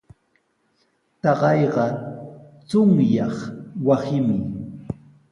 Taqayqa chunyaq wasimi.